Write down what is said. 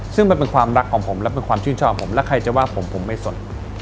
ซึ่งมันเป็นความรักของผมและเป็นความชื่นชอบผมและใครจะว่าผมผมไม่สน